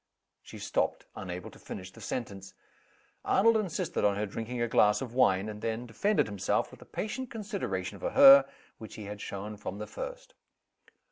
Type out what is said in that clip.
She stopped, unable to finish the sentence. Arnold insisted on her drinking a glass of wine and then defended himself with the patient consideration for her which he had shown from the first.